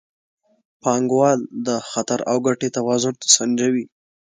پانګوال د خطر او ګټې توازن سنجوي.